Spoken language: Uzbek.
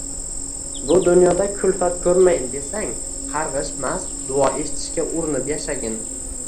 “Bu dunyoda kulfat ko‘rmayin desang, qarg‘ishmas, duo eshitishga urinib yashagin